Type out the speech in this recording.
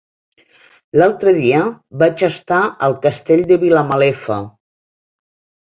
L'altre dia vaig estar al Castell de Vilamalefa.